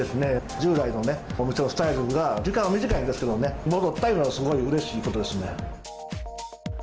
従来のお店のスタイルが、時間は短いんですけどね、戻ったいうのは、すごいうれしいことですね。